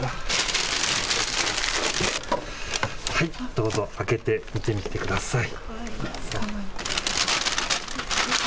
どうぞ、開けて見てみてください。